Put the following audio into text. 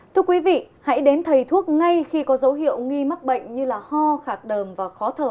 thưa quý vị hãy đến thầy thuốc ngay khi có dấu hiệu nghi mắc bệnh như ho khạc đờm và khó thở